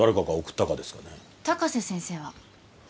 高瀬先生は？